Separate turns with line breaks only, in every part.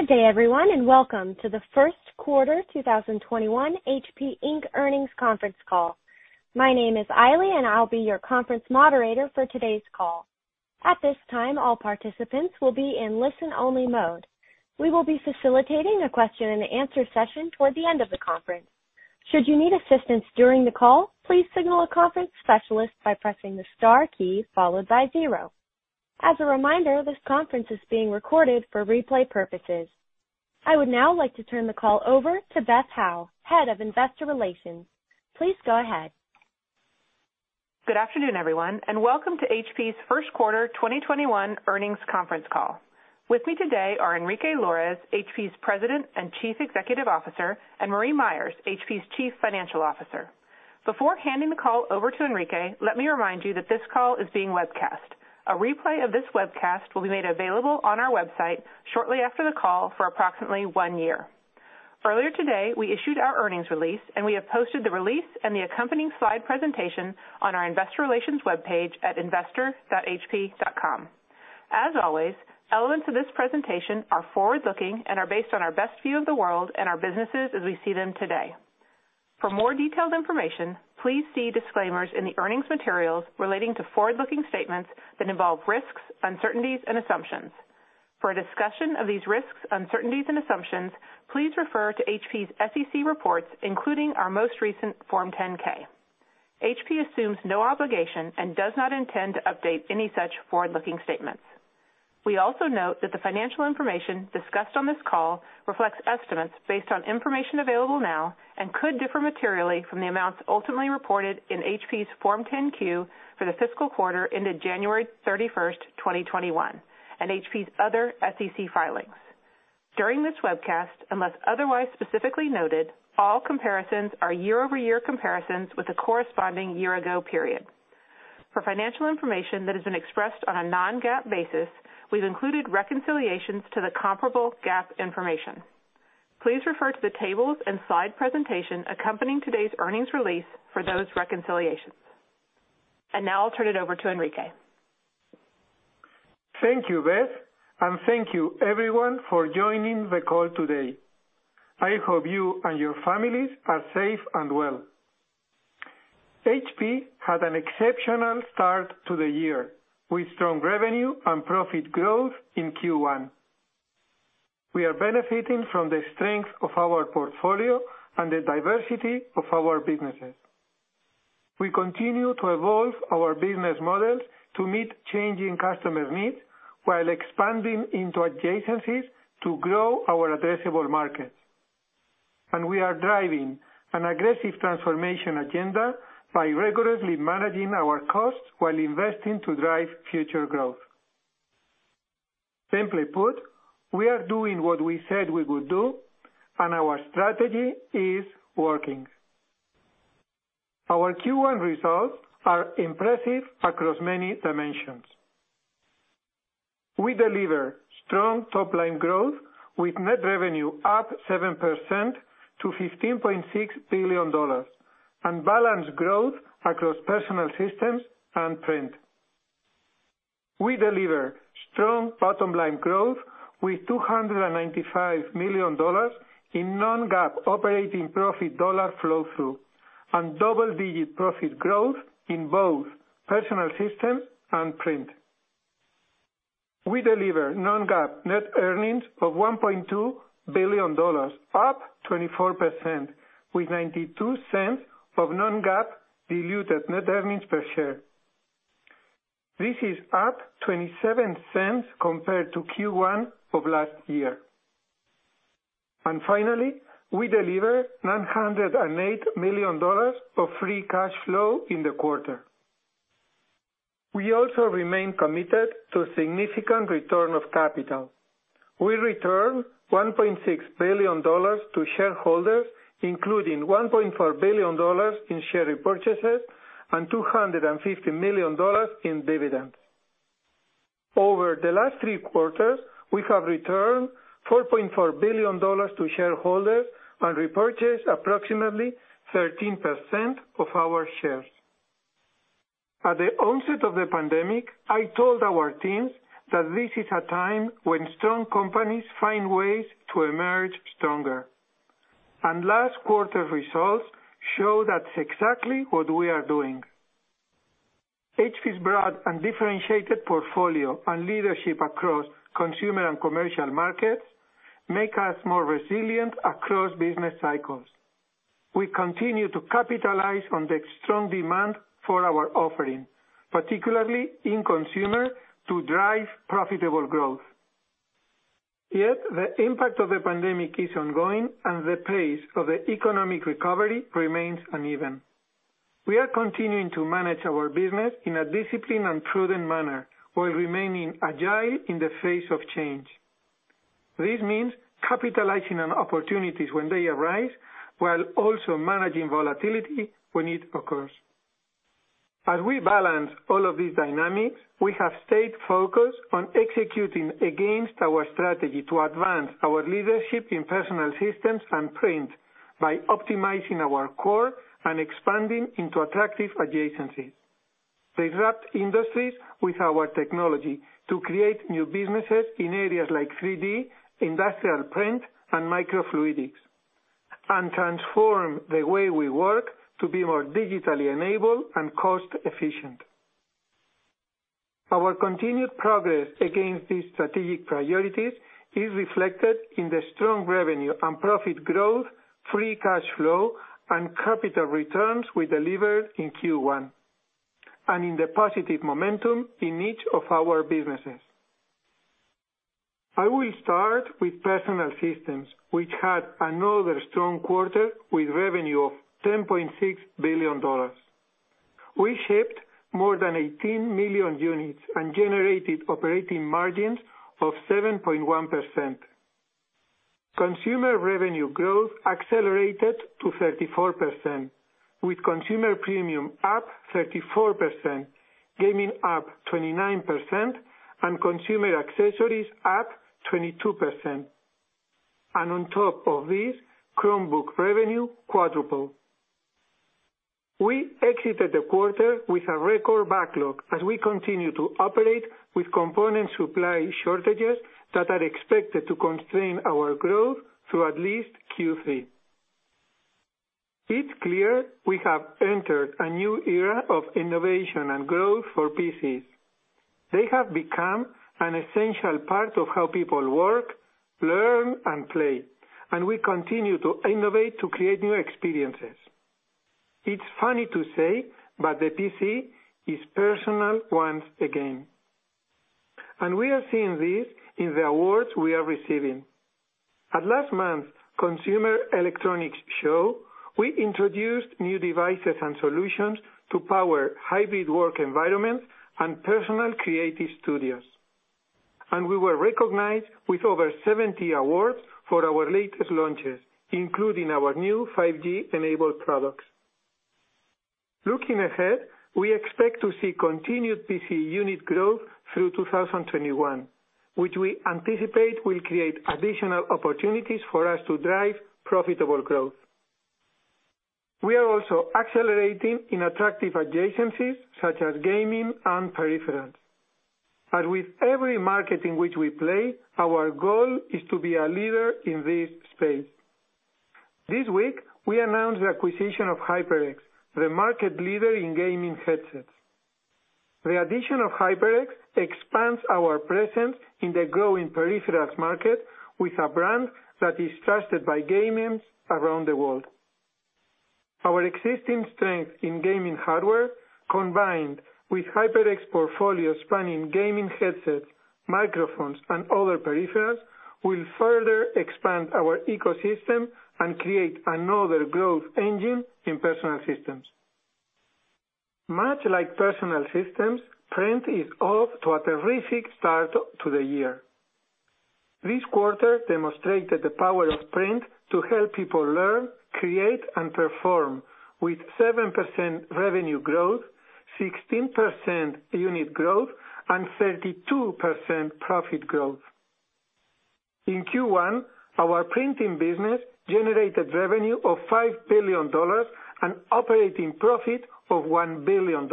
Good day everyone, and welcome to the first quarter 2021 HP Inc earnings conference call. My name is Ailey and I'll be your conference moderator for today's call. At this time, all participants will be in listen-only mode. We will be facilitating a question-and-answer session toward the end of the conference. Should you need assistance during the call, please signal a conference specialist by pressing the star key followed by zero. As a reminder, this conference is being recorded for replay purposes. I would now like to turn the call over to Beth Howe, Head of Investor Relations. Please go ahead.
Good afternoon everyone, welcome to HP's first quarter 2021 earnings conference call. With me today are Enrique Lores, HP's President and Chief Executive Officer, and Marie Myers, HP's Chief Financial Officer. Before handing the call over to Enrique, let me remind you that this call is being webcast. A replay of this webcast will be made available on our website shortly after the call for approximately one year. Earlier today, we issued our earnings release, and we have posted the release and the accompanying slide presentation on our Investor Relations webpage at investor.hp.com. As always, elements of this presentation are forward-looking and are based on our best view of the world and our businesses as we see them today. For more detailed information, please see disclaimers in the earnings materials relating to forward-looking statements that involve risks, uncertainties and assumptions. For a discussion of these risks, uncertainties and assumptions, please refer to HP's SEC reports, including our most recent Form 10-K. HP assumes no obligation and does not intend to update any such forward-looking statements. We also note that the financial information discussed on this call reflects estimates based on information available now, and could differ materially from the amounts ultimately reported in HP's Form 10-Q for the fiscal quarter ended January 31st, 2021, and HP's other SEC filings. During this webcast, unless otherwise specifically noted, all comparisons are year-over-year comparisons with the corresponding year ago period. For financial information that has been expressed on a non-GAAP basis, we've included reconciliations to the comparable GAAP information. Please refer to the tables and slide presentation accompanying today's earnings release for those reconciliations. Now I'll turn it over to Enrique.
Thank you, Beth, and thank you everyone for joining the call today. I hope you and your families are safe and well. HP had an exceptional start to the year, with strong revenue and profit growth in Q1. We are benefiting from the strength of our portfolio and the diversity of our businesses. We continue to evolve our business models to meet changing customer needs while expanding into adjacencies to grow our addressable markets. We are driving an aggressive transformation agenda by rigorously managing our costs while investing to drive future growth. Simply put, we are doing what we said we would do, and our strategy is working. Our Q1 results are impressive across many dimensions. We deliver strong top-line growth with net revenue up 7% to $15.6 billion, and balanced growth across personal systems and print. We deliver strong bottom line growth with $295 million in non-GAAP operating profit dollar flow through, and double-digit profit growth in both personal system and print. We deliver non-GAAP net earnings of $1.2 billion, up 24%, with $0.92 of non-GAAP diluted net earnings per share. This is up $0.27 compared to Q1 of last year. Finally, we deliver $908 million of free cash flow in the quarter. We also remain committed to significant return of capital. We return $1.6 billion to shareholders, including $1.4 billion in share repurchases and $250 million in dividends. Over the last three quarters, we have returned $4.4 billion to shareholders and repurchased approximately 13% of our shares. At the onset of the pandemic, I told our teams that this is a time when strong companies find ways to emerge stronger. Last quarter's results show that's exactly what we are doing. HP's broad and differentiated portfolio and leadership across consumer and commercial markets make us more resilient across business cycles. We continue to capitalize on the strong demand for our offering, particularly in consumer, to drive profitable growth. Yet, the impact of the pandemic is ongoing and the pace of the economic recovery remains uneven. We are continuing to manage our business in a disciplined and prudent manner while remaining agile in the face of change. This means capitalizing on opportunities when they arise, while also managing volatility when it occurs. As we balance all of these dynamics, we have stayed focused on executing against our strategy to advance our leadership in Personal Systems and Print by optimizing our core and expanding into attractive adjacencies, disrupt industries with our technology to create new businesses in areas like 3D, industrial Print, and microfluidics, and transform the way we work to be more digitally enabled and cost-efficient. Our continued progress against these strategic priorities is reflected in the strong revenue and profit growth, free cash flow, and capital returns we delivered in Q1, and in the positive momentum in each of our businesses. I will start with Personal Systems, which had another strong quarter with revenue of $10.6 billion. We shipped more than 18 million units and generated operating margins of 7.1%. Consumer revenue growth accelerated to 34%, with consumer premium up 34%, gaming up 29%, and consumer accessories up 22%. On top of this, Chromebook revenue quadrupled. We exited the quarter with a record backlog as we continue to operate with component supply shortages that are expected to constrain our growth through at least Q3. It's clear we have entered a new era of innovation and growth for PCs. They have become an essential part of how people work, learn, and play, and we continue to innovate to create new experiences. It's funny to say, but the PC is personal once again. We are seeing this in the awards we are receiving. At last month's Consumer Electronics Show, we introduced new devices and solutions to power hybrid work environments and personal creative studios. We were recognized with over 70 awards for our latest launches, including our new 5G-enabled products. Looking ahead, we expect to see continued PC unit growth through 2021, which we anticipate will create additional opportunities for us to drive profitable growth. We are also accelerating in attractive adjacencies such as gaming and peripherals. As with every market in which we play, our goal is to be a leader in this space. This week, we announced the acquisition of HyperX, the market leader in gaming headsets. The addition of HyperX expands our presence in the growing peripherals market with a brand that is trusted by gamers around the world. Our existing strength in gaming hardware, combined with HyperX portfolio spanning gaming headsets, microphones, and other peripherals, will further expand our ecosystem and create another growth engine in Personal Systems. Much like Personal Systems, Print is off to a terrific start to the year. This quarter demonstrated the power of print to help people learn, create, and perform with 7% revenue growth, 16% unit growth, and 32% profit growth. In Q1, our printing business generated revenue of $5 billion and operating profit of $1 billion.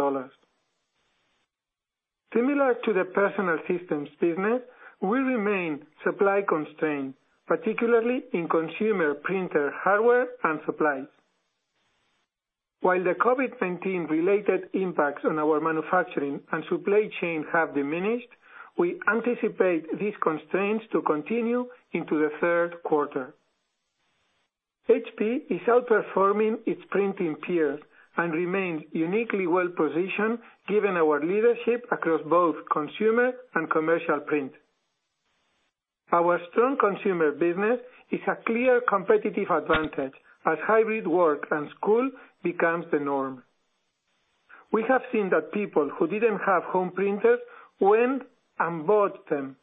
Similar to the Personal Systems business, we remain supply constrained, particularly in consumer printer hardware and supplies. While the COVID-19 related impacts on our manufacturing and supply chain have diminished, we anticipate these constraints to continue into the third quarter. HP is outperforming its printing peers and remains uniquely well-positioned given our leadership across both consumer and commercial print. Our strong consumer business is a clear competitive advantage as hybrid work and school becomes the norm. We have seen that people who didn't have home printers went and bought them.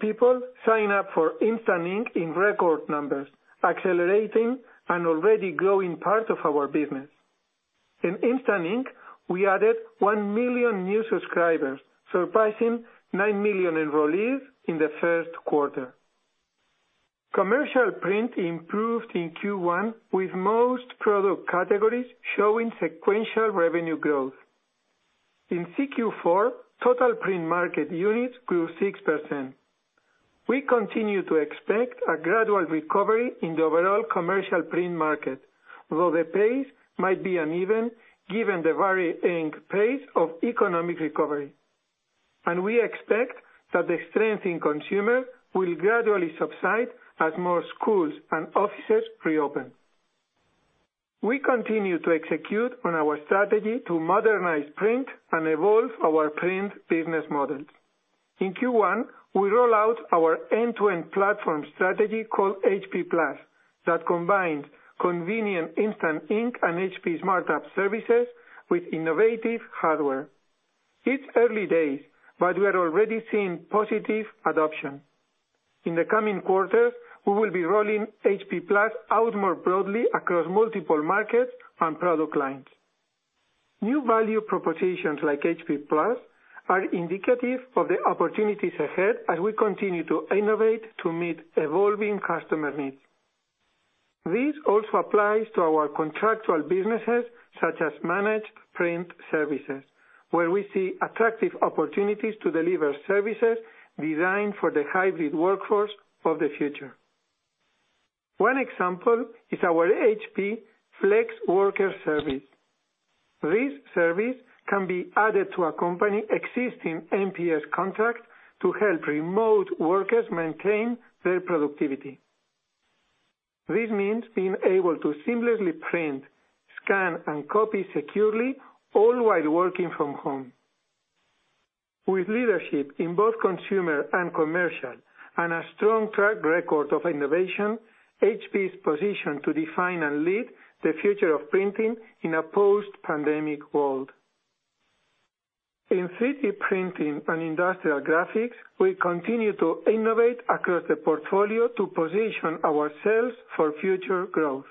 People sign up for Instant Ink in record numbers, accelerating an already growing part of our business. In Instant Ink, we added 1 million new subscribers, surpassing 9 million enrollees in the first quarter. Commercial print improved in Q1, with most product categories showing sequential revenue growth. In Q4, total print market units grew 6%. We continue to expect a gradual recovery in the overall commercial print market, although the pace might be uneven given the varying pace of economic recovery. We expect that the strength in consumer will gradually subside as more schools and offices reopen. We continue to execute on our strategy to modernize print and evolve our print business models. In Q1, we roll out our end-to-end platform strategy called HP+ that combines convenient Instant Ink and HP Smart app services with innovative hardware. It's early days, but we are already seeing positive adoption. In the coming quarters, we will be rolling HP+ out more broadly across multiple markets and product lines. New value propositions like HP+ are indicative of the opportunities ahead as we continue to innovate to meet evolving customer needs. This also applies to our contractual businesses such as managed print services, where we see attractive opportunities to deliver services designed for the hybrid workforce of the future. One example is our HP Flexworker service. This service can be added to a company existing MPS contract to help remote workers maintain their productivity. This means being able to seamlessly print, scan, and copy securely, all while working from home. With leadership in both consumer and commercial, and a strong track record of innovation, HP is positioned to define and lead the future of printing in a post-pandemic world. In 3D printing and industrial graphics, we continue to innovate across the portfolio to position ourselves for future growth.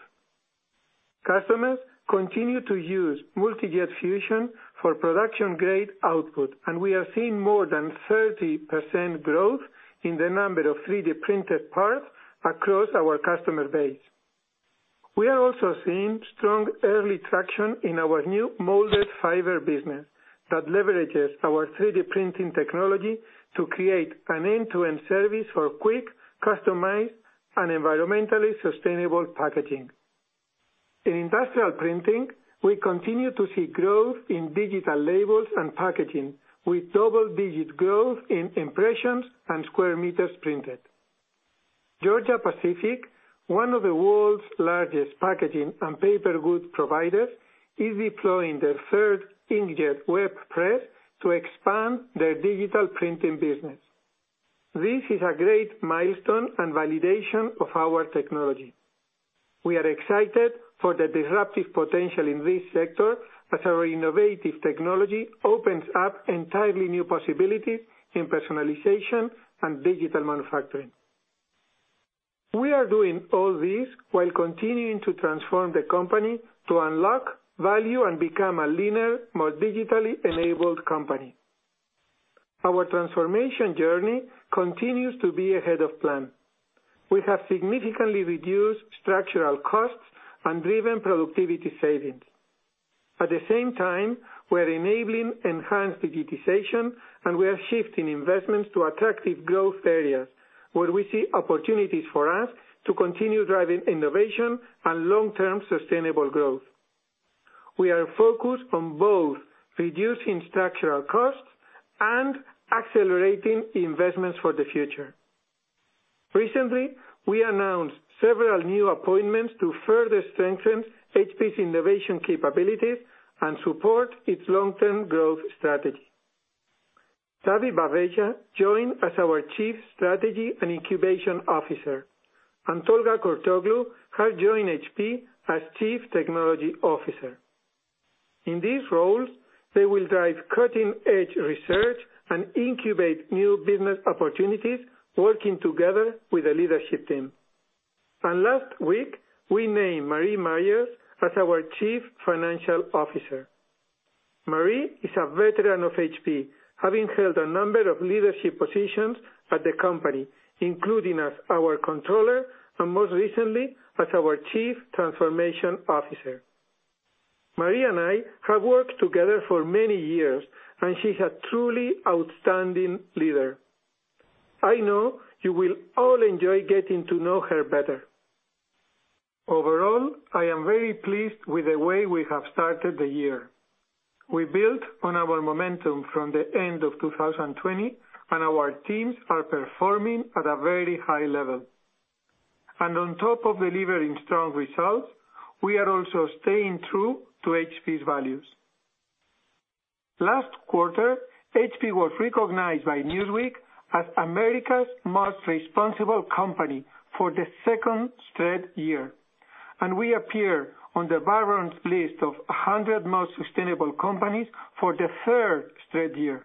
Customers continue to use Multi Jet Fusion for production-grade output, and we are seeing more than 30% growth in the number of 3D-printed parts across our customer base. We are also seeing strong early traction in our new molded fiber business that leverages our 3D printing technology to create an end-to-end service for quick, customized, and environmentally sustainable packaging. In industrial printing, we continue to see growth in digital labels and packaging, with double-digit growth in impressions and square meters printed. Georgia-Pacific, one of the world's largest packaging and paper goods providers, is deploying their third inkjet web press to expand their digital printing business. This is a great milestone and validation of our technology. We are excited for the disruptive potential in this sector as our innovative technology opens up entirely new possibilities in personalization and digital manufacturing. We are doing all this while continuing to transform the company to unlock value and become a leaner, more digitally enabled company. Our transformation journey continues to be ahead of plan. We have significantly reduced structural costs and driven productivity savings. At the same time, we're enabling enhanced digitization, and we are shifting investments to attractive growth areas where we see opportunities for us to continue driving innovation and long-term sustainable growth. We are focused on both reducing structural costs and accelerating investments for the future. Recently, we announced several new appointments to further strengthen HP's innovation capabilities and support its long-term growth strategy. Savi Baveja joined as our Chief Strategy and Incubation Officer, and Tolga Kurtoglu has joined HP as Chief Technology Officer. In these roles, they will drive cutting-edge research and incubate new business opportunities, working together with the leadership team. Last week, we named Marie Myers as our Chief Financial Officer. Marie is a veteran of HP, having held a number of leadership positions at the company, including as our Controller and most recently as our Chief Transformation Officer. Marie and I have worked together for many years, and she's a truly outstanding leader. I know you will all enjoy getting to know her better. Overall, I am very pleased with the way we have started the year. We built on our momentum from the end of 2020, and our teams are performing at a very high level. On top of delivering strong results, we are also staying true to HP's values. Last quarter, HP was recognized by Newsweek as America's most responsible company for the second straight year, and we appeared on the Barron's list of 100 most sustainable companies for the third straight year.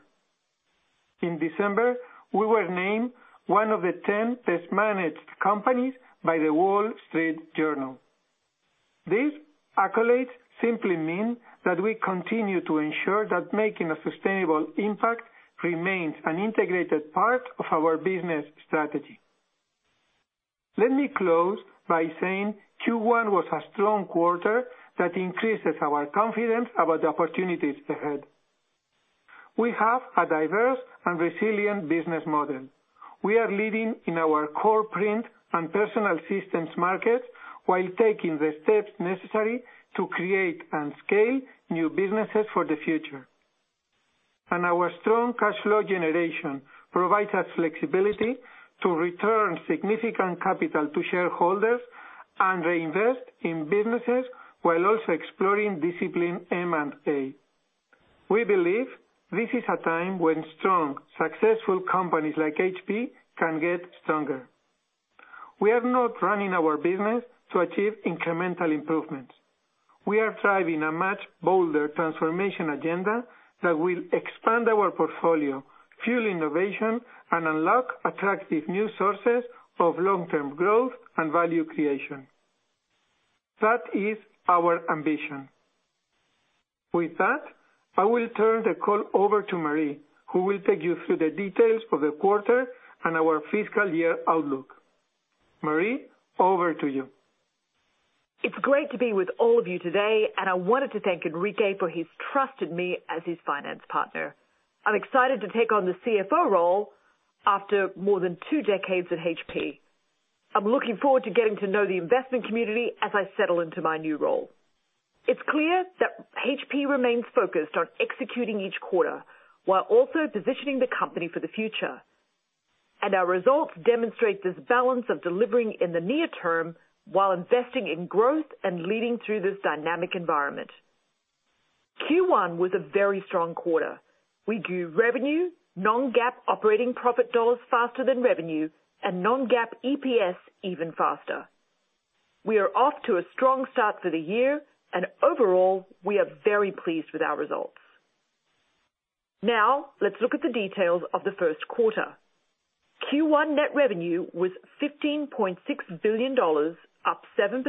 In December, we were named one of the 10 best-managed companies by The Wall Street Journal. These accolades simply mean that we continue to ensure that making a sustainable impact remains an integrated part of our business strategy. Let me close by saying Q1 was a strong quarter that increases our confidence about the opportunities ahead. We have a diverse and resilient business model. We are leading in our core print and personal systems markets while taking the steps necessary to create and scale new businesses for the future. Our strong cash flow generation provides us flexibility to return significant capital to shareholders and reinvest in businesses while also exploring disciplined M&A. We believe this is a time when strong, successful companies like HP can get stronger. We are not running our business to achieve incremental improvements. We are driving a much bolder transformation agenda that will expand our portfolio, fuel innovation, and unlock attractive new sources of long-term growth and value creation. That is our ambition. With that, I will turn the call over to Marie, who will take you through the details for the quarter and our fiscal year outlook. Marie, over to you.
It's great to be with all of you today. I wanted to thank Enrique for he's trusted me as his finance partner. I'm excited to take on the CFO role after more than two decades at HP. I'm looking forward to getting to know the investment community as I settle into my new role. It's clear that HP remains focused on executing each quarter while also positioning the company for the future. Our results demonstrate this balance of delivering in the near term while investing in growth and leading through this dynamic environment. Q1 was a very strong quarter. We grew revenue, non-GAAP operating profit dollars faster than revenue, and non-GAAP EPS even faster. We are off to a strong start for the year, and overall, we are very pleased with our results. Now, let's look at the details of the first quarter. Q1 net revenue was $15.6 billion, up 7%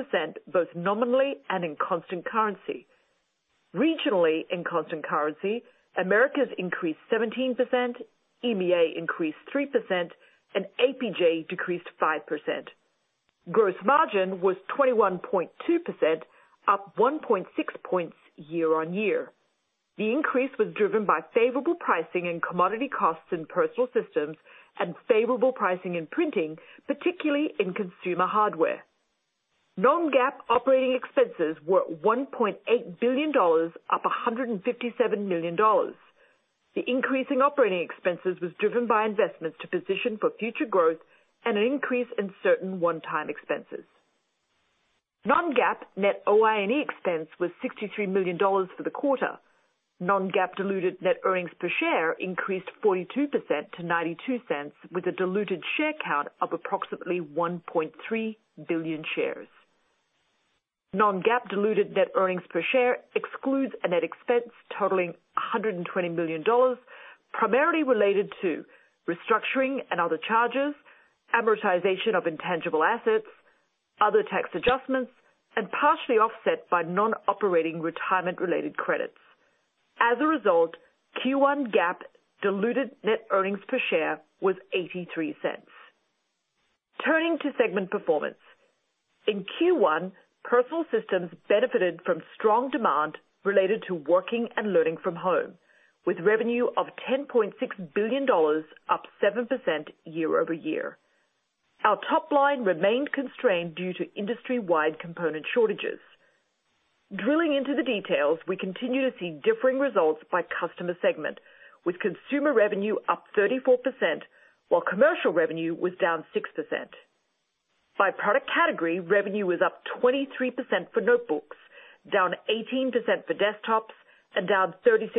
both nominally and in constant currency. Regionally, in constant currency, Americas increased 17%, EMEA increased 3%, and APJ decreased 5%. Gross margin was 21.2%, up 1.6 points year-on-year. The increase was driven by favorable pricing and commodity costs in personal systems and favorable pricing in printing, particularly in consumer hardware. Non-GAAP operating expenses were $1.8 billion, up $157 million. The increase in operating expenses was driven by investments to position for future growth and an increase in certain one-time expenses. Non-GAAP net OI&E expense was $63 million for the quarter. Non-GAAP diluted net earnings per share increased 42% to $0.92, with a diluted share count of approximately 1.3 billion shares. Non-GAAP diluted net earnings per share excludes a net expense totaling $120 million, primarily related to restructuring and other charges, amortization of intangible assets, other tax adjustments, and partially offset by non-operating retirement-related credits. As a result, Q1 GAAP diluted net earnings per share was $0.83. Turning to segment performance. In Q1, Personal Systems benefited from strong demand related to working and learning from home, with revenue of $10.6 billion, up 7% year-over-year. Our top-line remained constrained due to industry-wide component shortages. Drilling into the details, we continue to see differing results by customer segment, with consumer revenue up 34%, while commercial revenue was down 6%. By product category, revenue was up 23% for notebooks, down 18% for desktops, and down 36%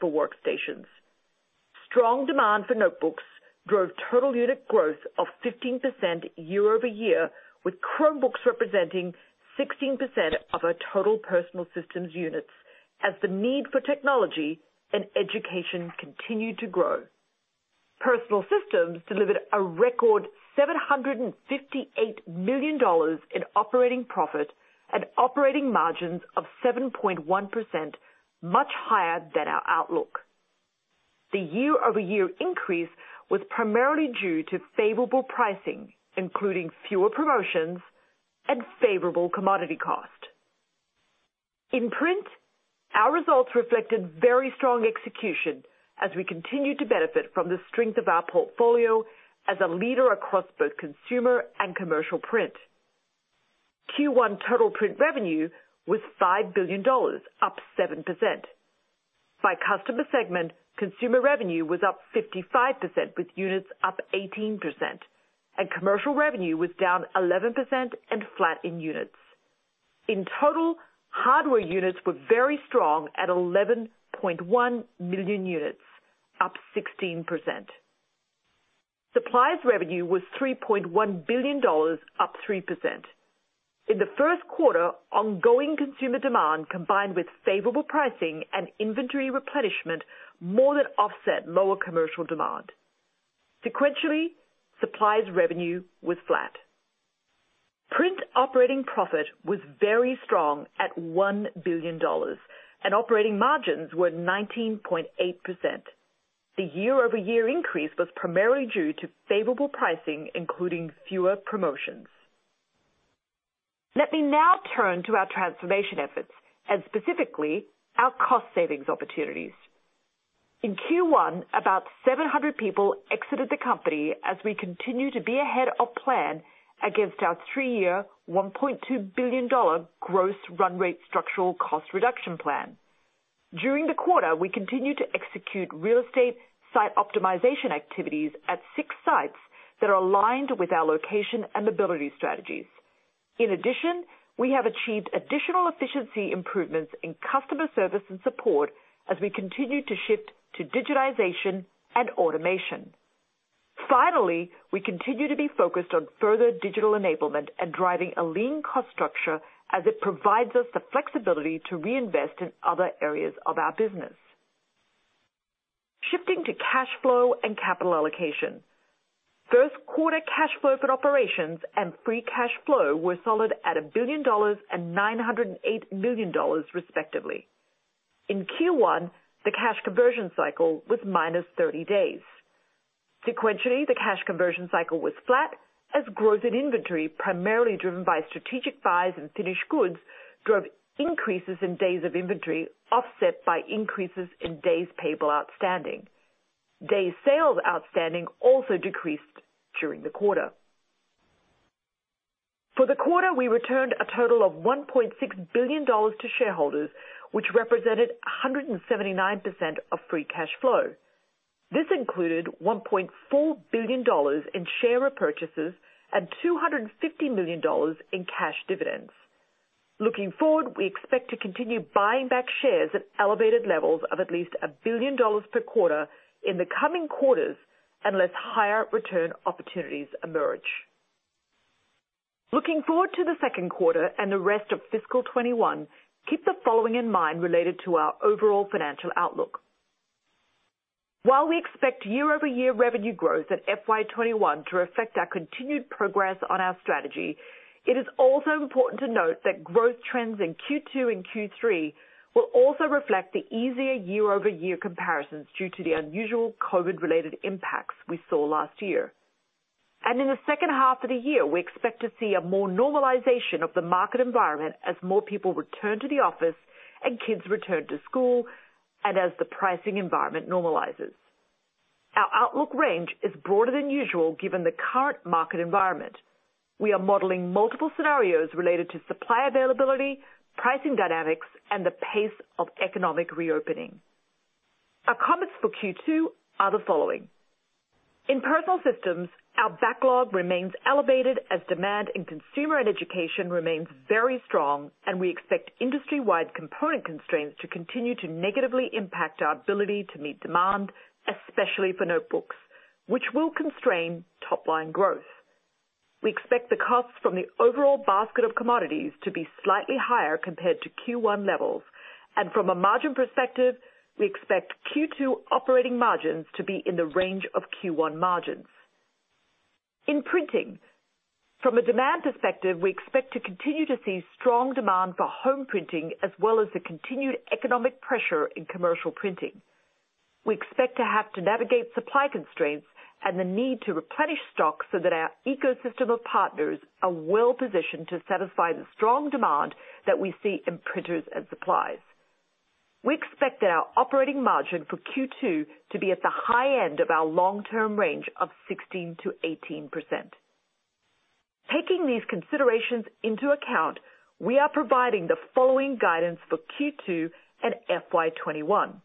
for workstations. Strong demand for notebooks drove total unit growth of 15% year-over-year, with Chromebooks representing 16% of our total Personal Systems units as the need for technology and education continued to grow. Personal Systems delivered a record $758 million in operating profit and operating margins of 7.1%, much higher than our outlook. The year-over-year increase was primarily due to favorable pricing, including fewer promotions and favorable commodity cost. In Print, our results reflected very strong execution as we continued to benefit from the strength of our portfolio as a leader across both consumer and commercial Print. Q1 total Print revenue was $5 billion, up 7%. By customer segment, consumer revenue was up 55%, with units up 18%, commercial revenue was down 11% and flat in units. In total, hardware units were very strong at 11.1 million units, up 16%. Supplies revenue was $3.1 billion, up 3%. In the first quarter, ongoing consumer demand, combined with favorable pricing and inventory replenishment, more than offset lower commercial demand. Sequentially, supplies revenue was flat. Print operating profit was very strong at $1 billion, and operating margins were 19.8%. The year-over-year increase was primarily due to favorable pricing, including fewer promotions. Let me now turn to our transformation efforts and specifically our cost savings opportunities. In Q1, about 700 people exited the company as we continue to be ahead of plan against our three-year, $1.2 billion gross run rate structural cost reduction plan. During the quarter, we continued to execute real estate site optimization activities at six sites that are aligned with our location and mobility strategies. In addition, we have achieved additional efficiency improvements in customer service and support as we continue to shift to digitization and automation. Finally, we continue to be focused on further digital enablement and driving a lean cost structure as it provides us the flexibility to reinvest in other areas of our business. Shifting to cash flow and capital allocation. First quarter cash flow from operations and free cash flow were solid at $1 billion and $908 million respectively. In Q1, the cash conversion cycle was -30 days. Sequentially, the cash conversion cycle was flat as growth in inventory, primarily driven by strategic buys and finished goods, drove increases in days of inventory offset by increases in days payable outstanding. Days sales outstanding also decreased during the quarter. For the quarter, we returned a total of $1.6 billion to shareholders, which represented 179% of free cash flow. This included $1.4 billion in share repurchases and $250 million in cash dividends. Looking forward, we expect to continue buying back shares at elevated levels of at least $1 billion per quarter in the coming quarters, unless higher return opportunities emerge. Looking forward to the second quarter and the rest of fiscal 2021, keep the following in mind related to our overall financial outlook. While we expect year-over-year revenue growth at FY 2021 to reflect our continued progress on our strategy, it is also important to note that growth trends in Q2 and Q3 will also reflect the easier year-over-year comparisons due to the unusual COVID-related impacts we saw last year. In the second half of the year, we expect to see a more normalization of the market environment as more people return to the office and kids return to school, and as the pricing environment normalizes. Our outlook range is broader than usual, given the current market environment. We are modeling multiple scenarios related to supply availability, pricing dynamics, and the pace of economic reopening. Our comments for Q2 are the following. In Personal Systems, our backlog remains elevated as demand in consumer and education remains very strong. We expect industry-wide component constraints to continue to negatively impact our ability to meet demand, especially for notebooks, which will constrain top-line growth. We expect the costs from the overall basket of commodities to be slightly higher compared to Q1 levels. From a margin perspective, we expect Q2 operating margins to be in the range of Q1 margins. In Printing, from a demand perspective, we expect to continue to see strong demand for home printing as well as the continued economic pressure in commercial printing. We expect to have to navigate supply constraints and the need to replenish stock so that our ecosystem of partners are well-positioned to satisfy the strong demand that we see in printers and supplies. We expect that our operating margin for Q2 to be at the high end of our long-term range of 16%-18%. Taking these considerations into account, we are providing the following guidance for Q2 and FY 2021.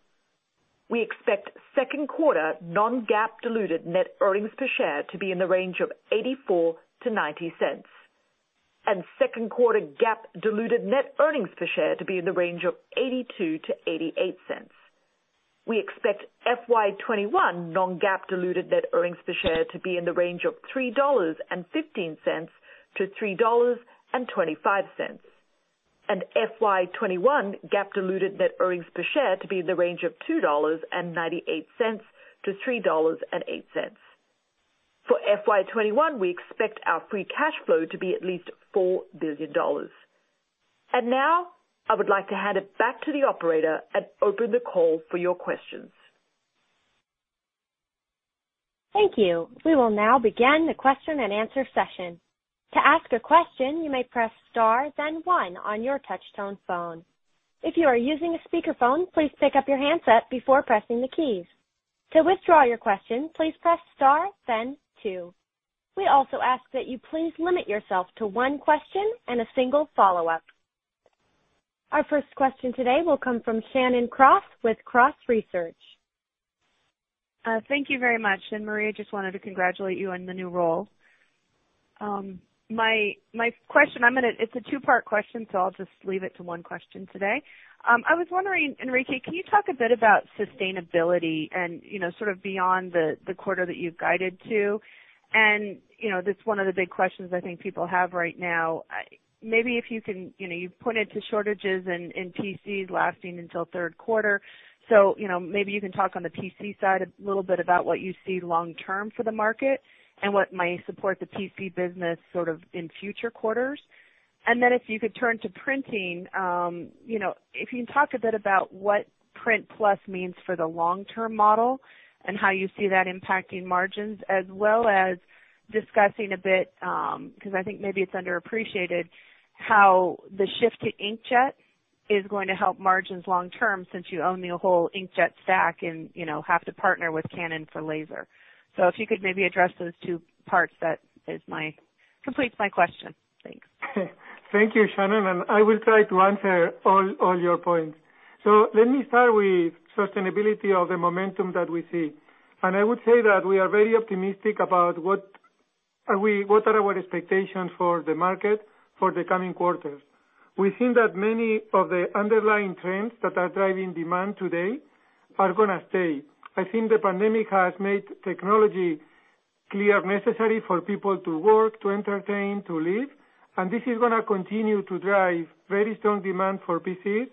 We expect second quarter non-GAAP diluted net earnings per share to be in the range of $0.84-$0.90, and second quarter GAAP diluted net earnings per share to be in the range of $0.82-$0.88. We expect FY 2021 non-GAAP diluted net earnings per share to be in the range of $3.15-$3.25, and FY 2021 GAAP diluted net earnings per share to be in the range of $2.98-$3.08. For FY 2021, we expect our free cash flow to be at least $4 billion. Now I would like to hand it back to the operator and open the call for your questions.
Thank you. We will now begin the question-and-answer session. To ask a question, you may press star then one on your touch-tone phone. If you are using a speakerphone, please pick up your handset before pressing the keys. To withdraw your question, please press star then two. We also ask that you please limit yourself to one question and a single follow-up. Our first question today will come from Shannon Cross with Cross Research.
Thank you very much. Marie, I just wanted to congratulate you on the new role. My question, it's a two-part question, so I'll just leave it to one question today. I was wondering, Enrique, can you talk a bit about sustainability and sort of beyond the quarter that you've guided to? That's one of the big questions I think people have right now. You've pointed to shortages in PCs lasting until third quarter. Maybe you can talk on the PC side a little bit about what you see long term for the market and what might support the PC business sort of in future quarters. If you could turn to printing, if you can talk a bit about what HP+ means for the long-term model and how you see that impacting margins as well as discussing a bit, because I think maybe it's underappreciated, how the shift to inkjet is going to help margins long term since you own the whole inkjet stack and have to partner with Canon for laser. If you could maybe address those two parts, that completes my question. Thanks.
Thank you, Shannon. I will try to answer all your points. Let me start with sustainability or the momentum that we see. I would say that we are very optimistic about what are our expectations for the market for the coming quarters. We think that many of the underlying trends that are driving demand today are going to stay. I think the pandemic has made technology clear necessary for people to work, to entertain, to live. This is going to continue to drive very strong demand for PCs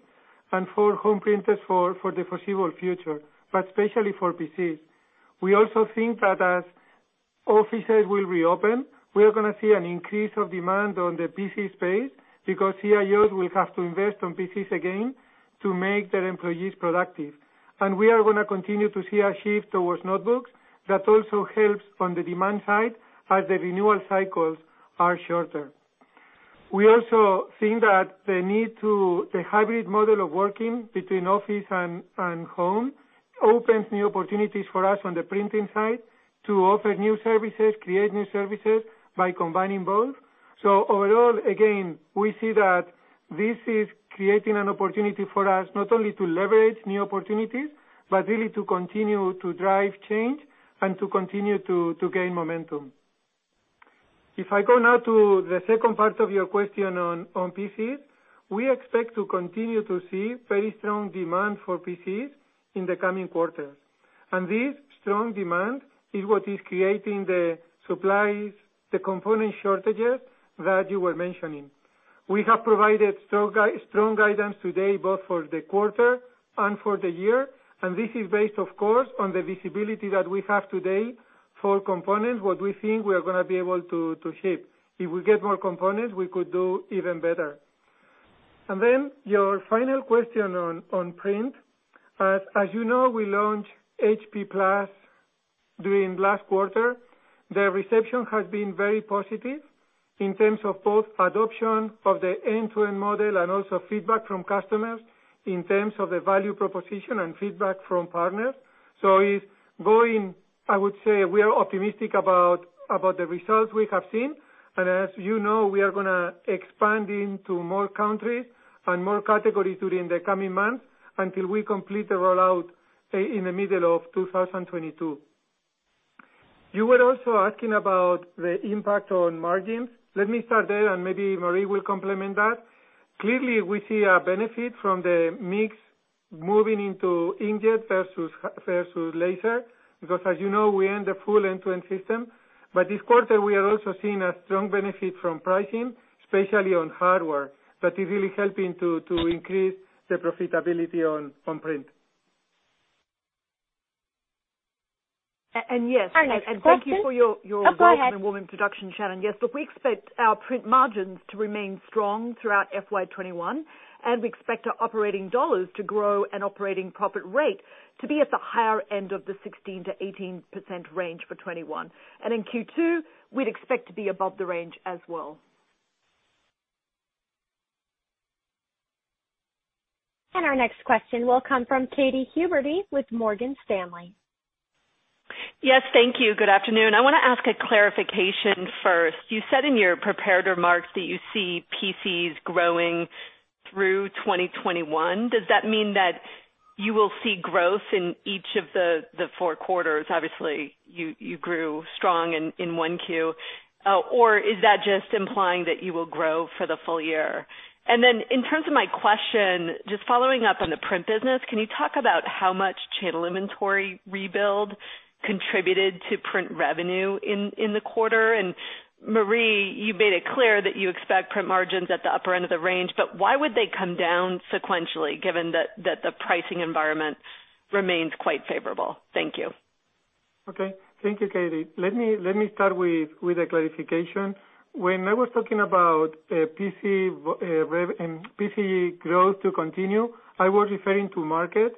and for home printers for the foreseeable future, but especially for PCs. We also think that as offices will reopen, we are going to see an increase of demand on the PC space because CIOs will have to invest on PCs again to make their employees productive. We are going to continue to see a shift towards notebooks. That also helps on the demand side, as the renewal cycles are shorter. We also think that the need to the hybrid model of working between office and home opens new opportunities for us on the printing side to offer new services, create new services by combining both. Overall, again, we see that this is creating an opportunity for us, not only to leverage new opportunities, but really to continue to drive change and to continue to gain momentum. If I go now to the second part of your question on PCs, we expect to continue to see very strong demand for PCs in the coming quarters. This strong demand is what is creating the supplies, the component shortages that you were mentioning. We have provided strong guidance today, both for the quarter and for the year. This is based, of course, on the visibility that we have today for components, what we think we are going to be able to ship. If we get more components, we could do even better. Then your final question on print. As you know, we launched HP+ during last quarter. The reception has been very positive in terms of both adoption of the end-to-end model and also feedback from customers in terms of the value proposition and feedback from partners. It's going, I would say we are optimistic about the results we have seen. As you know, we are going to expand into more countries and more categories during the coming months until we complete the rollout in the middle of 2022. You were also asking about the impact on margins. Let me start there, and maybe Marie will complement that. Clearly, we see a benefit from the mix moving into inkjet versus laser, because as you know, we own the full end-to-end system. This quarter, we are also seeing a strong benefit from pricing, especially on hardware, that is really helping to increase the profitability on print.
Yes.
Our next question,
Thank you for-
Oh, go ahead.
broad and warm introduction, Shannon. Yes, look, we expect our print margins to remain strong throughout FY 2021, and we expect our operating dollars to grow and operating profit rate to be at the higher end of the 16%-18% range for 2021. In Q2, we'd expect to be above the range as well.
Our next question will come from Katy Huberty with Morgan Stanley.
Yes, thank you. Good afternoon. I want to ask a clarification first. You said in your prepared remarks that you see PCs growing through 2021. Does that mean that you will see growth in each of the four quarters? Obviously, you grew strong in Q1. Is that just implying that you will grow for the full year? In terms of my question, just following up on the Print business, can you talk about how much channel inventory rebuild contributed to print revenue in the quarter? Marie, you made it clear that you expect print margins at the upper end of the range, why would they come down sequentially, given that the pricing environment remains quite favorable? Thank you.
Okay. Thank you, Katy. Let me start with a clarification. When I was talking about PC growth to continue, I was referring to market.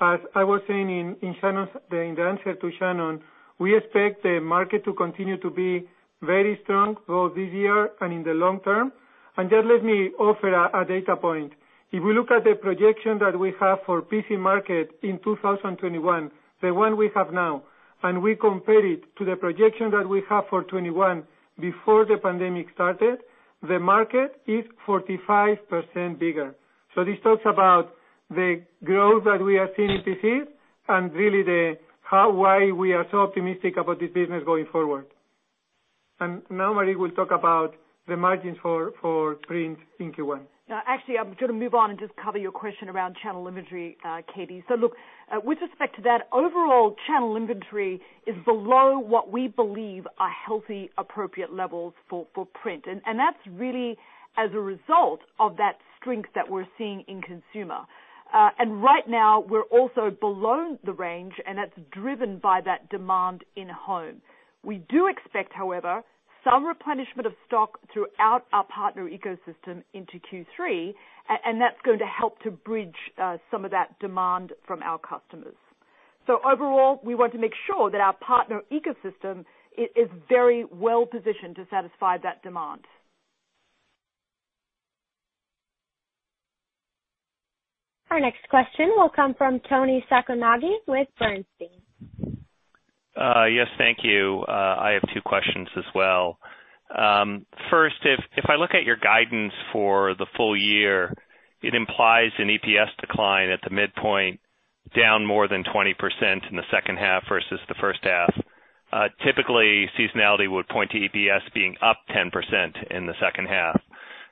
As I was saying in the answer to Shannon, we expect the market to continue to be very strong, both this year and in the long term. Let me offer a data point. If we look at the projection that we have for PC market in 2021, the one we have now, and we compare it to the projection that we have for 2021 before the pandemic started, the market is 45% bigger. This talks about the growth that we are seeing in PCs and really the how, why we are so optimistic about this business going forward. Marie will talk about the margins for print in Q1.
No, actually, I'm going to move on and just cover your question around channel inventory, Katy. Look, with respect to that, overall channel inventory is below what we believe are healthy, appropriate levels for print. That's really as a result of that strength that we're seeing in consumer. Right now, we're also below the range, and that's driven by that demand in home. We do expect, however, some replenishment of stock throughout our partner ecosystem into Q3, and that's going to help to bridge some of that demand from our customers. Overall, we want to make sure that our partner ecosystem is very well positioned to satisfy that demand.
Our next question will come from Toni Sacconaghi with Bernstein.
Yes, thank you. I have two questions as well. First, if I look at your guidance for the full year, it implies an EPS decline at the midpoint down more than 20% in the second half versus the first half. Typically, seasonality would point to EPS being up 10% in the second half.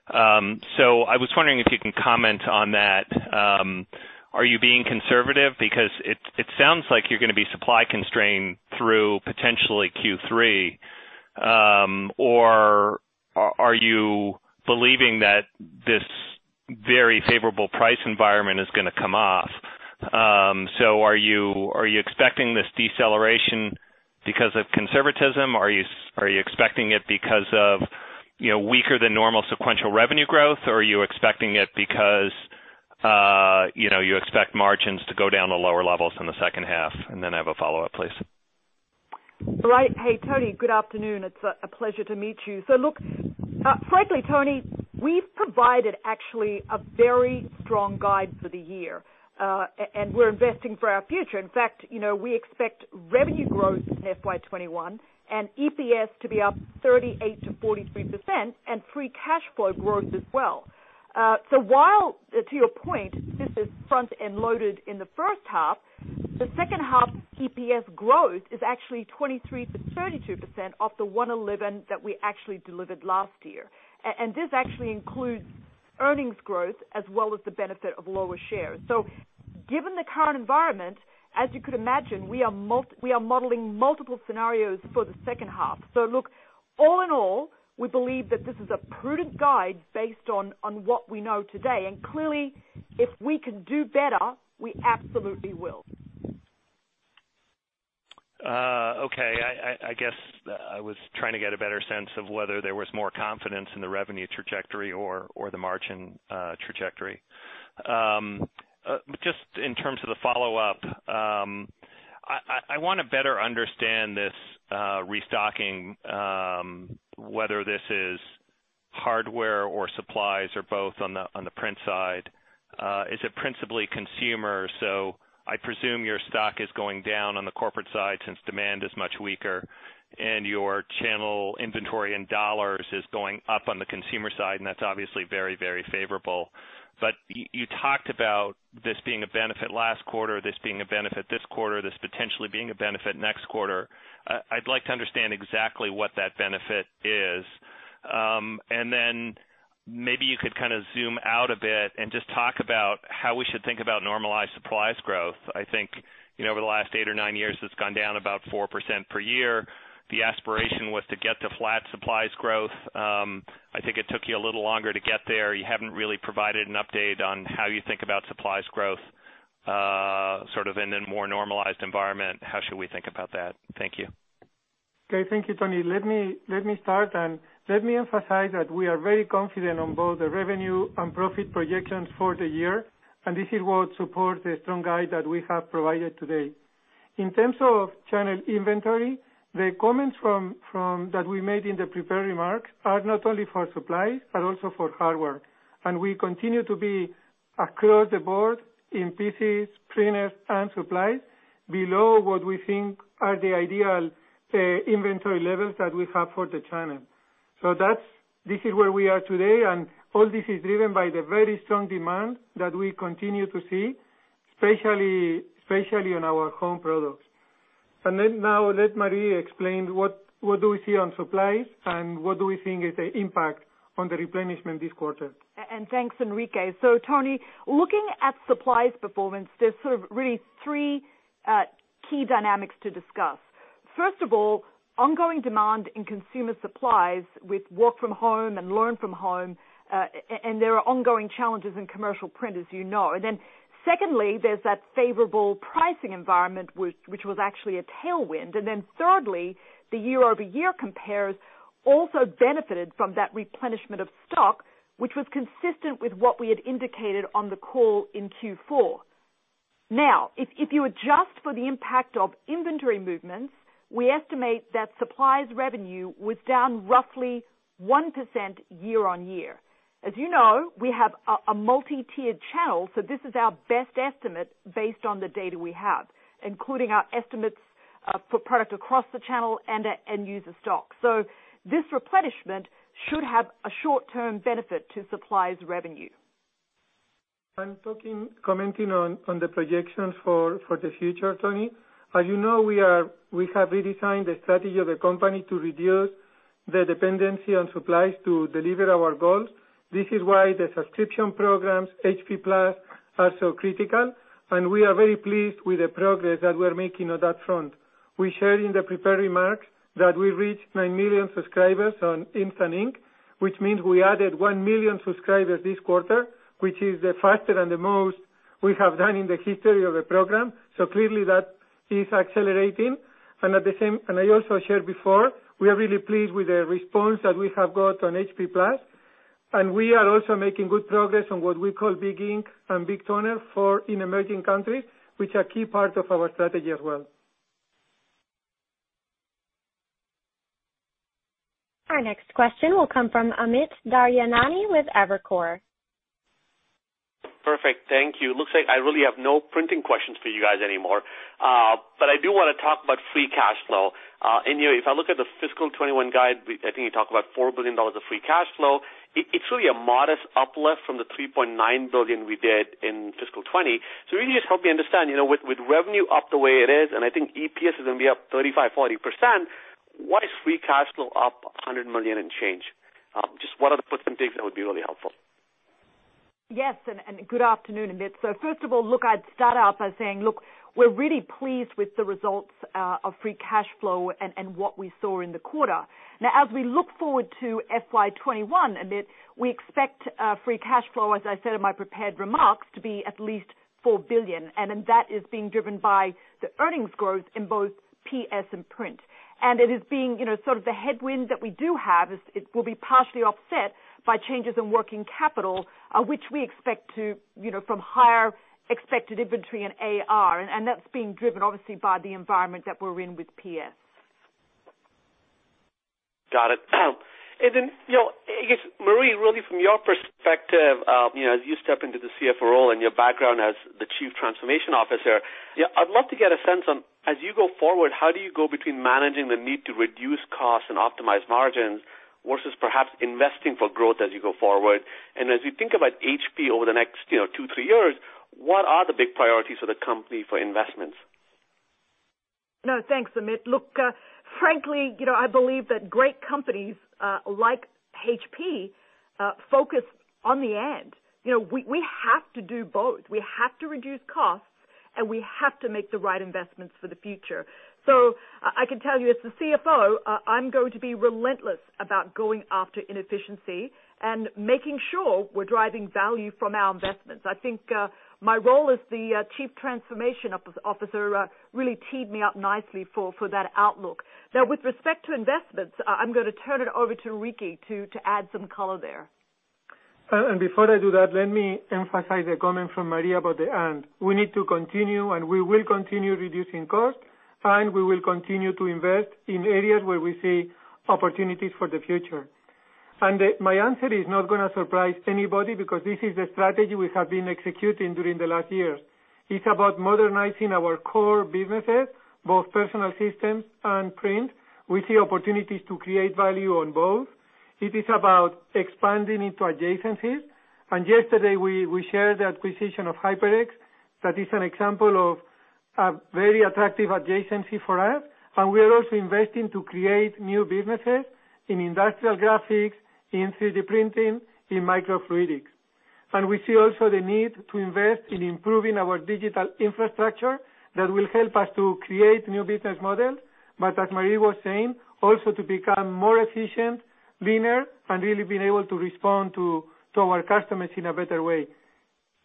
I was wondering if you can comment on that. Are you being conservative? It sounds like you're going to be supply constrained through potentially Q3. Are you believing that this very favorable price environment is going to come off? Are you expecting this deceleration because of conservatism? Are you expecting it because of weaker than normal sequential revenue growth, or are you expecting it because you expect margins to go down to lower levels in the second half? I have a follow-up, please.
Right. Hey, Toni, good afternoon. It's a pleasure to meet you. Look, frankly, Toni, we've provided actually a very strong guide for the year. We're investing for our future. In fact, we expect revenue growth in FY 2021 and EPS to be up 38%-43% and free cash flow growth as well. While, to your point, this is front-end loaded in the first half, the second half EPS growth is actually 23%-32% off the $1.11 that we actually delivered last year. This actually includes earnings growth as well as the benefit of lower shares. Given the current environment, as you could imagine, we are modeling multiple scenarios for the second half. Look, all in all, we believe that this is a prudent guide based on what we know today. Clearly, if we can do better, we absolutely will.
Okay. I guess I was trying to get a better sense of whether there was more confidence in the revenue trajectory or the margin trajectory. Just in terms of the follow-up, I want to better understand this restocking, whether this is hardware or supplies or both on the Print side. Is it principally consumer? I presume your stock is going down on the corporate side since demand is much weaker, and your channel inventory in dollar is going up on the consumer side, and that's obviously very, very favorable. You talked about this being a benefit last quarter, this being a benefit this quarter, this potentially being a benefit next quarter. I'd like to understand exactly what that benefit is. Maybe you could zoom out a bit and just talk about how we should think about normalized supplies growth. I think over the last eight or nine years, it's gone down about 4% per year. The aspiration was to get to flat supplies growth. I think it took you a little longer to get there. You haven't really provided an update on how you think about supplies growth in a more normalized environment. How should we think about that? Thank you.
Okay. Thank you, Toni. Let me start, let me emphasize that we are very confident on both the revenue and profit projections for the year, this is what supports the strong guide that we have provided today. In terms of channel inventory, the comments that we made in the prepared remarks are not only for supplies but also for hardware. We continue to be across the board in PCs, printers, and supplies below what we think are the ideal inventory levels that we have for the channel. This is where we are today, all this is driven by the very strong demand that we continue to see, especially on our home products. Now let Marie explain what do we see on supplies and what do we think is the impact on the replenishment this quarter.
Thanks, Enrique. Toni, looking at supplies performance, there's sort of really three key dynamics to discuss. First of all, ongoing demand in consumer supplies with work from home and learn from home, and there are ongoing challenges in commercial print, as you know. Secondly, there's that favorable pricing environment, which was actually a tailwind. Thirdly, the year-over-year compares also benefited from that replenishment of stock, which was consistent with what we had indicated on the call in Q4. If you adjust for the impact of inventory movements, we estimate that supplies revenue was down roughly 1% year-on-year. As you know, we have a multi-tiered channel, so this is our best estimate based on the data we have, including our estimates for product across the channel and end-user stock. This replenishment should have a short-term benefit to supplies revenue.
I'm talking, commenting on the projections for the future, Toni. As you know, we have redesigned the strategy of the company to reduce the dependency on supplies to deliver our goals. This is why the subscription programs, HP+, are so critical, and we are very pleased with the progress that we're making on that front. We shared in the prepared remarks that we reached 9 million subscribers on Instant Ink, which means we added 1 million subscribers this quarter, which is the fastest and the most we have done in the history of the program. Clearly that is accelerating. I also shared before, we are really pleased with the response that we have got on HP+. We are also making good progress on what we call big ink and big toner in emerging countries, which are key parts of our strategy as well.
Our next question will come from Amit Daryanani with Evercore.
Perfect. Thank you. Looks like I really have no printing questions for you guys anymore. I do want to talk about free cash flow. If I look at the FY 2021 guide, I think you talk about $4 billion of free cash flow. It's really a modest uplift from the $3.9 billion we did in FY 2020. Really just help me understand, with revenue up the way it is, and I think EPS is going to be up 35%-40%. Why is free cash flow up $100 million and change? Just what are the put some things that would be really helpful?
Yes, good afternoon, Amit. First of all, I'd start out by saying, we're really pleased with the results of free cash flow and what we saw in the quarter. As we look forward to FY 2021, Amit, we expect free cash flow, as I said in my prepared remarks, to be at least $4 billion. That is being driven by the earnings growth in both PS and Print. The headwind that we do have is it will be partially offset by changes in working capital, which we expect from higher expected inventory and AR, and that's being driven obviously by the environment that we're in with PS.
Got it. I guess, Marie, really from your perspective, as you step into the CFO role and your background as the chief transformation officer, I'd love to get a sense on, as you go forward, how do you go between managing the need to reduce costs and optimize margins versus perhaps investing for growth as you go forward? As you think about HP over the next two, three years, what are the big priorities for the company for investments?
No, thanks, Amit. Look, frankly, I believe that great companies, like HP, focus on the end. We have to do both. We have to reduce costs, and we have to make the right investments for the future. I can tell you as the CFO, I'm going to be relentless about going after inefficiency and making sure we're driving value from our investments. I think, my role as the Chief Transformation Officer really teed me up nicely for that outlook. Now with respect to investments, I'm going to turn it over to Enrique to add some color there.
Before I do that, let me emphasize a comment from Marie about the and. We need to continue, and we will continue reducing costs, and we will continue to invest in areas where we see opportunities for the future. My answer is not going to surprise anybody because this is the strategy we have been executing during the last year. It's about modernizing our core businesses, both Personal Systems and Print. We see opportunities to create value on both. It is about expanding into adjacencies. Yesterday, we shared the acquisition of HyperX. That is an example of a very attractive adjacency for us, and we are also investing to create new businesses in industrial graphics, in 3D printing, in microfluidics. We see also the need to invest in improving our digital infrastructure that will help us to create new business models, but as Marie was saying, also to become more efficient, leaner, and really being able to respond to our customers in a better way.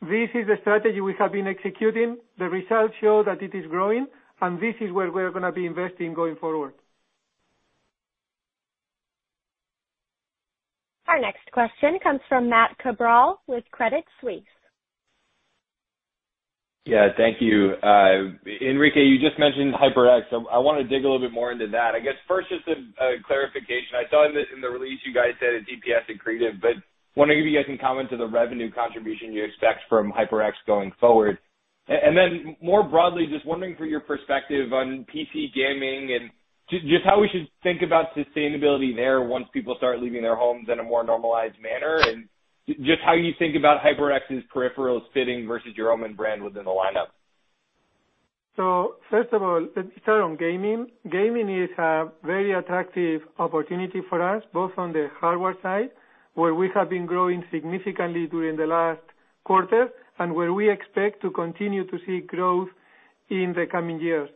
This is the strategy we have been executing. The results show that it is growing, and this is where we're going to be investing going forward.
Our next question comes from Matt Cabral with Credit Suisse.
Yeah, thank you. Enrique, you just mentioned HyperX. I want to dig a little bit more into that. I guess first, just a clarification. I saw in the release you guys said it's EPS accretive. Wondering if you guys can comment to the revenue contribution you expect from HyperX going forward. More broadly, just wondering for your perspective on PC gaming and just how we should think about sustainability there once people start leaving their homes in a more normalized manner and just how you think about HyperX's peripherals fitting versus your OMEN brand within the lineup.
First of all, let me start on gaming. Gaming is a very attractive opportunity for us, both on the hardware side, where we have been growing significantly during the last quarter, and where we expect to continue to see growth in the coming years.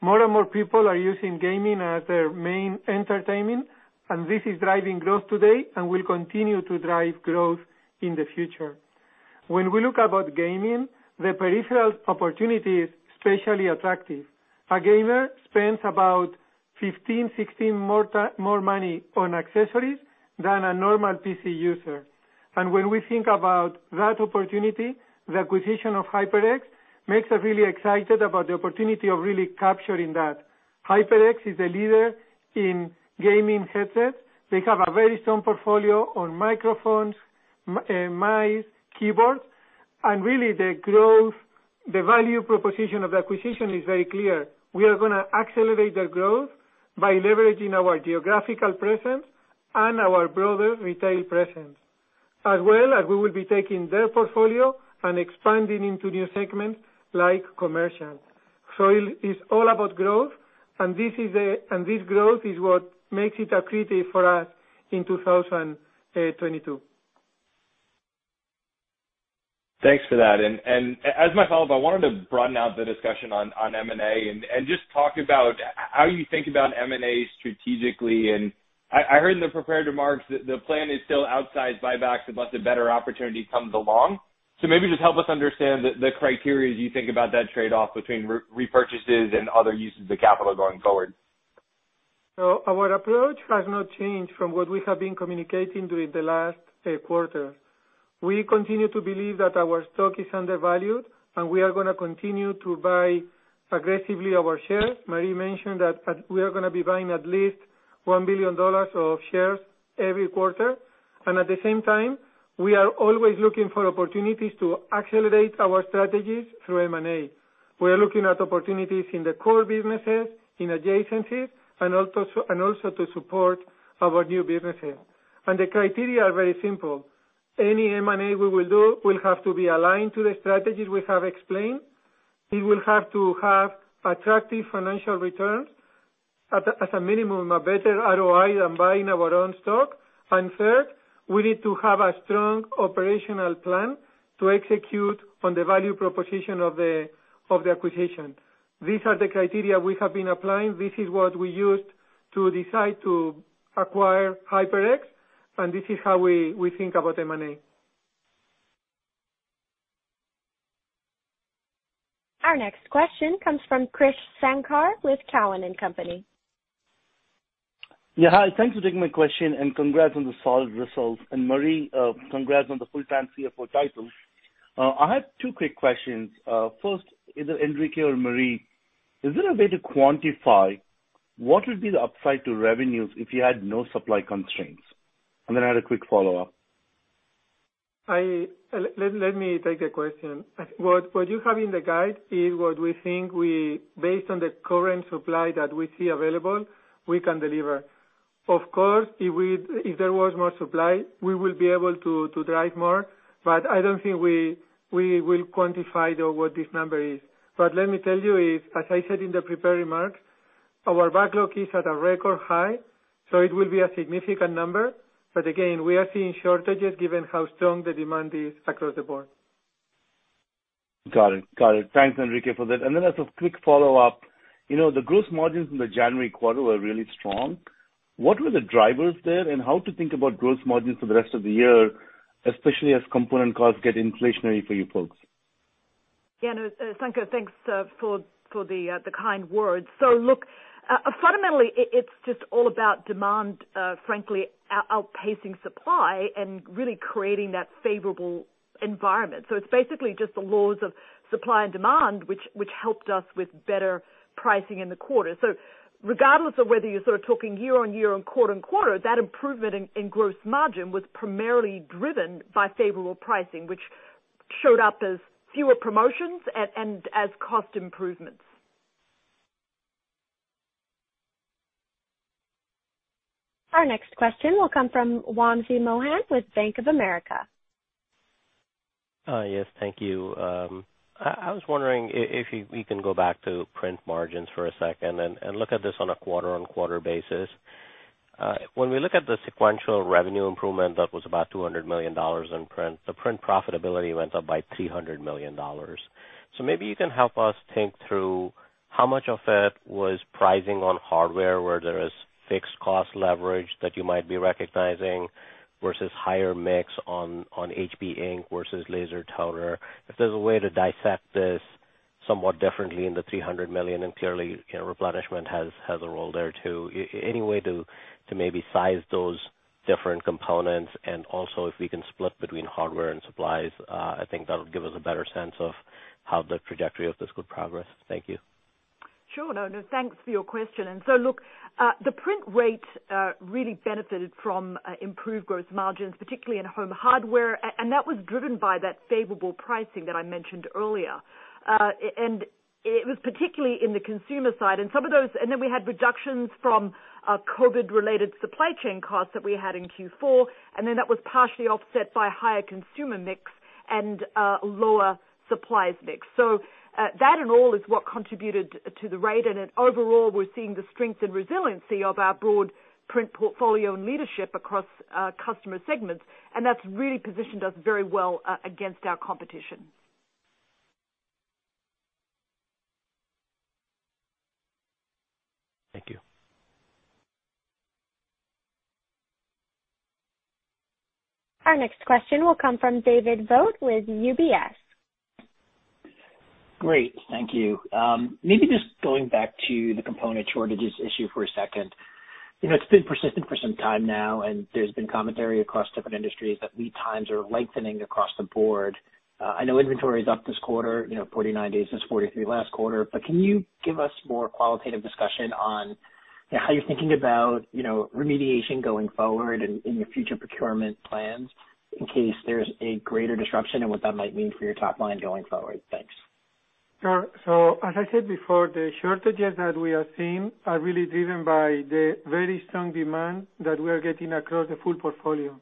More and more people are using gaming as their main entertainment, and this is driving growth today and will continue to drive growth in the future. When we look about gaming, the peripherals opportunity is especially attractive. A gamer spends about 15%, 16% more money on accessories than a normal PC user. When we think about that opportunity, the acquisition of HyperX makes us really excited about the opportunity of really capturing that. HyperX is a leader in gaming headsets. They have a very strong portfolio on microphones, mice, keyboards, and really the growth, the value proposition of acquisition is very clear. We are going to accelerate their growth by leveraging our geographical presence and our broader retail presence. As well as we will be taking their portfolio and expanding into new segments like commercial. It's all about growth, and this growth is what makes it accretive for us in 2022.
Thanks for that. As my follow-up, I wanted to broaden out the discussion on M&A and just talk about how you think about M&A strategically. I heard in the prepared remarks that the plan is still outsized buybacks unless a better opportunity comes along. Maybe just help us understand the criteria as you think about that trade-off between repurchases and other uses of the capital going forward.
Our approach has not changed from what we have been communicating during the last quarter. We continue to believe that our stock is undervalued, and we are going to continue to buy aggressively our shares. Marie mentioned that we are going to be buying at least $1 billion of shares every quarter. At the same time, we are always looking for opportunities to accelerate our strategies through M&A. We are looking at opportunities in the core businesses, in adjacencies, and also to support our new businesses. The criteria are very simple. Any M&A we will do will have to be aligned to the strategies we have explained. We will have to have attractive financial returns as a minimum, a better ROI than buying our own stock. Third, we need to have a strong operational plan to execute on the value proposition of the acquisition. These are the criteria we have been applying. This is what we used to decide to acquire HyperX, and this is how we think about M&A.
Our next question comes from Krish Sankar with Cowen and Company.
Yeah. Hi, thanks for taking my question, and congrats on the solid results. Marie, congrats on the full-time CFO title. I have two quick questions. First, either Enrique or Marie, is there a way to quantify what would be the upside to revenues if you had no supply constraints? I had a quick follow-up.
Let me take the question. What you have in the guide is what we think based on the current supply that we see available, we can deliver. Of course, if there was more supply, we will be able to drive more, but I don't think we will quantify what this number is. Let me tell you, as I said in the prepared remarks, our backlog is at a record high, so it will be a significant number. Again, we are seeing shortages given how strong the demand is across the board.
Got it. Thanks, Enrique, for that. As a quick follow-up, the gross margins in the January quarter were really strong. What were the drivers there, and how to think about gross margins for the rest of the year, especially as component costs get inflationary for you folks?
No, Sankar, thanks for the kind words. Look, fundamentally, it's just all about demand, frankly, outpacing supply and really creating that favorable environment. It's basically just the laws of supply and demand, which helped us with better pricing in the quarter. Regardless of whether you're sort of talking year-over-year and quarter-over-quarter, that improvement in gross margin was primarily driven by favorable pricing, which showed up as fewer promotions and as cost improvements.
Our next question will come from Wamsi Mohan with Bank of America.
Yes. Thank you. I was wondering if we can go back to Print margins for a second and look at this on a quarter-on-quarter basis. We look at the sequential revenue improvement that was about $200 million in Print, the Print profitability went up by $300 million. Maybe you can help us think through how much of it was pricing on hardware, where there is fixed cost leverage that you might be recognizing versus higher mix on HP ink versus laser toner. If there's a way to dissect this somewhat differently in the $300 million, clearly replenishment has a role there, too. Any way to maybe size those different components and also if we can split between hardware and supplies, I think that'll give us a better sense of how the trajectory of this could progress. Thank you.
Sure. No, thanks for your question. Look, the Print rate really benefited from improved gross margins, particularly in home hardware, and that was driven by that favorable pricing that I mentioned earlier. It was particularly in the consumer side. We had reductions from COVID-related supply chain costs that we had in Q4, and that was partially offset by a higher consumer mix and lower supplies mix. That in all is what contributed to the rate. Overall, we're seeing the strength and resiliency of our broad print portfolio and leadership across customer segments, and that's really positioned us very well against our competition.
Thank you.
Our next question will come from David Vogt with UBS.
Great. Thank you. Maybe just going back to the component shortages issue for a second. It's been persistent for some time now, and there's been commentary across different industries that lead times are lengthening across the board. I know inventory is up this quarter, 49 days since 43 last quarter, but can you give us more qualitative discussion on how you're thinking about remediation going forward in your future procurement plans in case there's a greater disruption and what that might mean for your top line going forward? Thanks.
Sure. As I said before, the shortages that we are seeing are really driven by the very strong demand that we are getting across the full portfolio.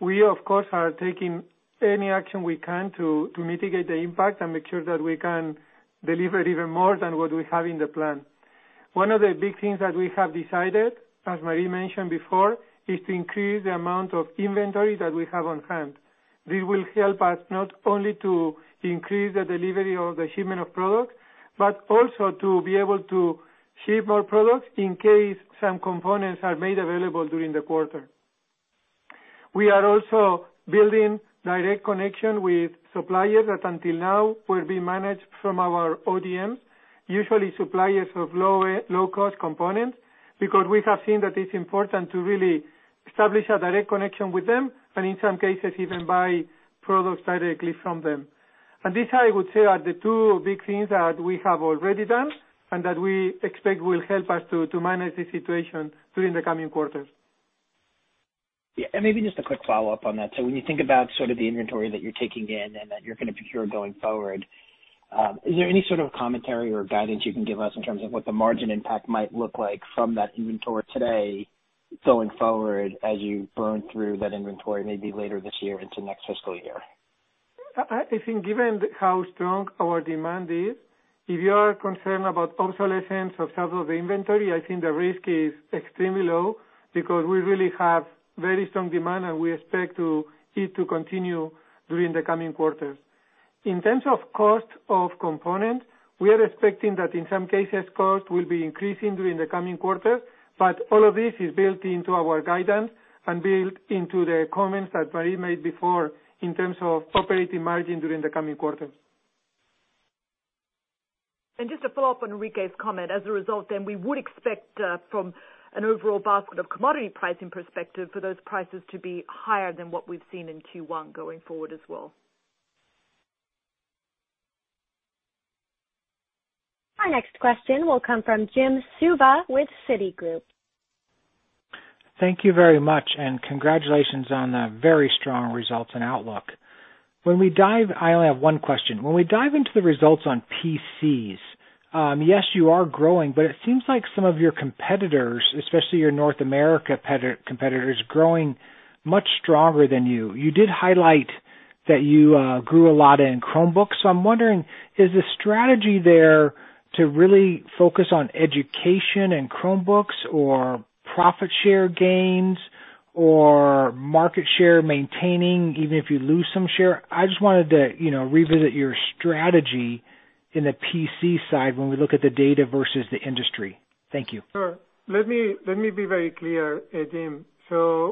We, of course, are taking any action we can to mitigate the impact and make sure that we can deliver even more than what we have in the plan. One of the big things that we have decided, as Marie mentioned before, is to increase the amount of inventory that we have on hand. This will help us not only to increase the delivery or the shipment of products, but also to be able to ship more products in case some components are made available during the quarter. We are also building direct connection with suppliers that until now will be managed from our ODMs, usually suppliers of low-cost components, because we have seen that it's important to really establish a direct connection with them, and in some cases, even buy products directly from them. This, I would say, are the two big things that we have already done and that we expect will help us to manage the situation during the coming quarters.
Yeah. Maybe just a quick follow-up on that. When you think about sort of the inventory that you're taking in and that you're going to procure going forward, is there any sort of commentary or guidance you can give us in terms of what the margin impact might look like from that inventory today, going forward, as you burn through that inventory, maybe later this year into next fiscal year.
I think given how strong our demand is, if you are concerned about obsolescence of some of the inventory, I think the risk is extremely low because we really have very strong demand, and we expect it to continue during the coming quarters. In terms of cost of components, we are expecting that in some cases, cost will be increasing during the coming quarter, but all of this is built into our guidance and built into the comments that Marie made before in terms of operating margin during the coming quarters.
Just to follow-up on Enrique's comment. As a result, we would expect from an overall basket of commodity pricing perspective for those prices to be higher than what we've seen in Q1 going forward as well.
Our next question will come from Jim Suva with Citigroup.
Thank you very much. Congratulations on the very strong results and outlook. I only have one question. When we dive into the results on PCs, yes, you are growing, but it seems like some of your competitors, especially your North America competitors, growing much stronger than you. You did highlight that you grew a lot in Chromebooks. I'm wondering, is the strategy there to really focus on education and Chromebooks or profit share gains or market share maintaining, even if you lose some share? I just wanted to revisit your strategy in the PC side when we look at the data versus the industry. Thank you.
Sure. Let me be very clear, Jim.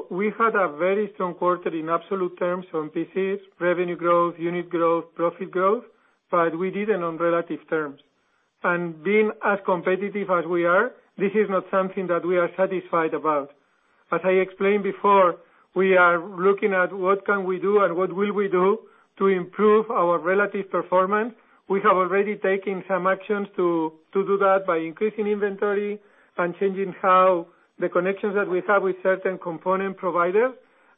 We had a very strong quarter in absolute terms on PCs, revenue growth, unit growth, profit growth, but we didn't on relative terms. And being as competitive as we are, this is not something that we are satisfied about. As I explained before, we are looking at what can we do and what will we do to improve our relative performance. We have already taken some actions to do that by increasing inventory and changing how the connections that we have with certain component providers,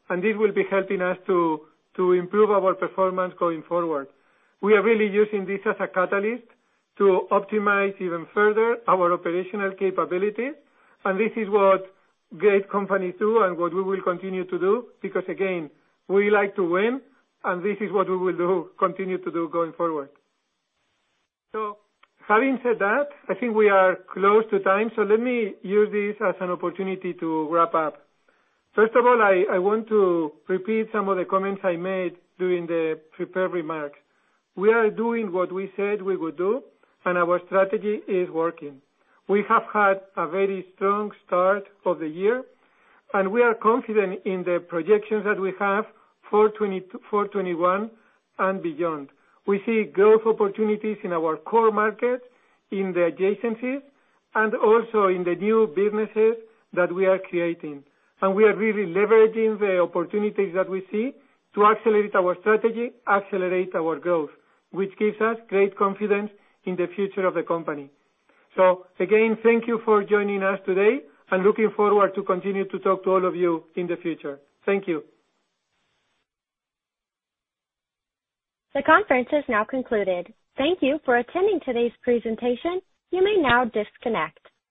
and this will be helping us to improve our performance going forward. We are really using this as a catalyst to optimize even further our operational capabilities. This is what great companies do and what we will continue to do, because again, we like to win, and this is what we will continue to do going forward. Having said that, I think we are close to time, so let me use this as an opportunity to wrap up. First of all, I want to repeat some of the comments I made during the prepared remarks. We are doing what we said we would do, and our strategy is working. We have had a very strong start of the year, and we are confident in the projections that we have for 2021 and beyond. We see growth opportunities in our core markets, in the adjacencies, and also in the new businesses that we are creating. We are really leveraging the opportunities that we see to accelerate our strategy, accelerate our growth, which gives us great confidence in the future of the company. Again, thank you for joining us today and looking forward to continue to talk to all of you in the future. Thank you.
The conference has now concluded. Thank you for attending today's presentation. You may now disconnect.